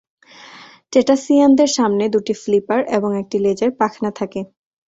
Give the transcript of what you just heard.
টেটাসিয়ানদের সামনে দুটি ফ্লিপার এবং একটি লেজের পাখনা থাকে।